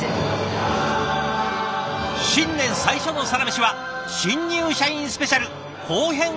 新年最初の「サラメシ」は「新入社員スペシャル」後編をお届けします。